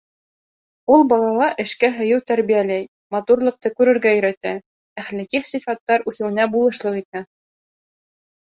Ул балала эшкә һөйөү тәрбиәләй, матурлыҡты күрергә өйрәтә, әхләҡи сифаттар үҫеүенә булышлыҡ итә.